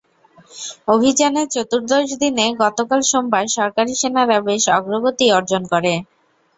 অভিযানের চতুর্দশ দিনে গতকাল সোমবার সরকারি সেনারা বেশ অগ্রগতি অর্জন করে।